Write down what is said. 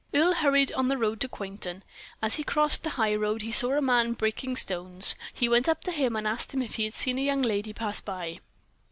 Earle hurried on the road to Quainton. As he crossed the high road he saw a man breaking stones. He went up to him and asked him if he had seen a young lady pass by.